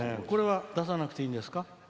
これは出さなくていいですか。